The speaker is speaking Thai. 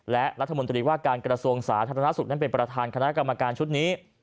และรัฐมนตรีว่าการกระทรวงสาธารณสุขนั้นเป็นประธานคณะกรรมการชุดนี้